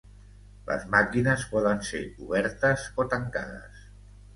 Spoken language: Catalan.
Les màquines poden ser obertes o tancades.